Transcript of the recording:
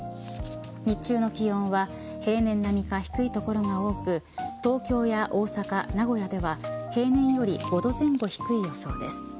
日中の気温は平年並みか低い所が多く東京や大阪、名古屋では平年より５度前後低い予想です。